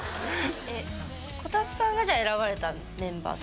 こたつさんがじゃあ選ばれたメンバー？